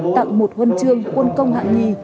tặng một huân trương quân công hạng hai